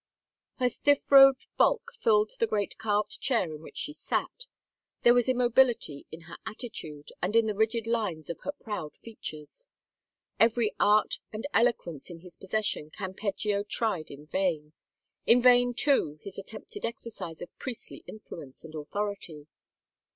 Her stiff robed bulk filled the great carved chair in which she sat; there was immobility in her attitude and in the rigid lines of her proud features. Every art and eloquence in his possession Campeggio tried in vain — in vain, too, his attempted exercise of priestly influence and authority.